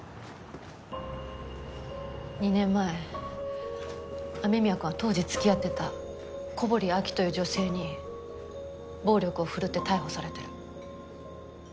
２年前雨宮くんは当時付き合ってた古堀アキという女性に暴力を振るって逮捕されてる。